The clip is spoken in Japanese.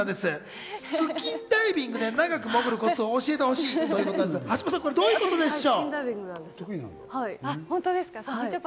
スキンダイビングで長く潜るコツを教えてほしいということなんですが、どういうことなんでしょう？